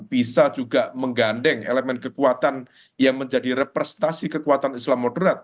bisa juga menggandeng elemen kekuatan yang menjadi representasi kekuatan islam moderat